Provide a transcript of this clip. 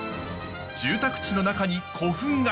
住宅地の中に古墳が。